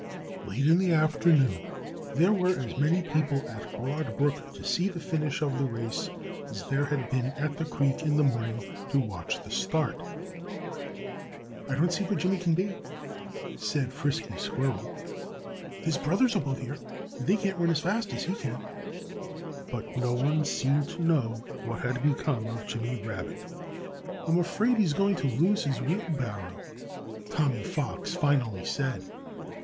Late in the afternoon there were as many people at Broad Brook to see the finish of the race as there had been at the creek in the morning to watch the start. "I don't see where Jimmy can be," said Frisky Squirrel. "His brothers are both here and they can't run as fast as he can." But no one seemed to know what had become of Jimmy Rabbit. "I'm afraid he's going to lose his wheelbarrow," Tommy Fox finally said.